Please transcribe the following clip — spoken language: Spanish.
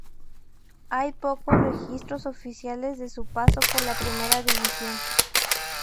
Hay pocos registros oficiales de su paso por la Primera División.